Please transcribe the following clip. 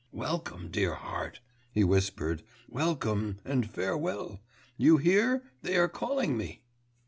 'Welcome, dear heart,' he whispered, 'welcome and farewell!... You hear, they are calling me.